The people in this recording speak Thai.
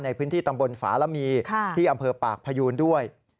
ในพื้นที่ตำบลฝาระมีที่อำเภอปากพยูนด้วย